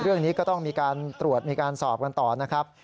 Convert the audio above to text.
เรื่องนี้ก็ต้องมีการตรวจมีการสอบกันต่อนะครับ